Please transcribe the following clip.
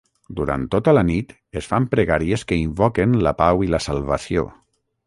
Durant tota la nit es fan pregàries que invoquen la pau i la salvació.